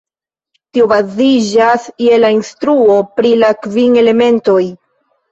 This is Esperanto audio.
Tio baziĝas je la instruo pri la kvin elementoj.